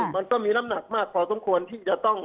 มันก็มีน้ำหนักมากพอสมควรที่จะต้อง